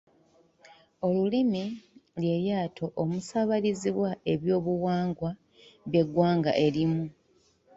Olulimi lye lyato omusaabalizibwa ebyobuwangwa bw'eggwanga erimu.